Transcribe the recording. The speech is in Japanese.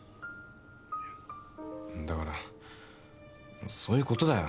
いやだからそういうことだよ。